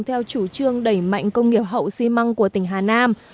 theo chủ trương đẩy mạnh công nghiệp hậu xi măng của tỉnh hà nam